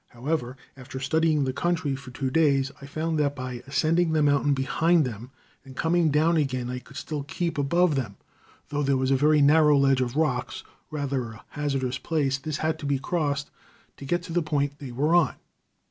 However, after studying the country for two days, I found that by ascending the mountain behind them and coming down again I could still keep above them, though there was a very narrow ledge of rocks, rather a hazardous place, that had to be crossed to get to the point they were on.